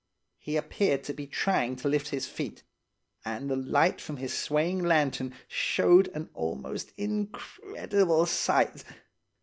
He appeared to be trying to lift his feet, and the light from his swaying lantern showed an almost incredible sight.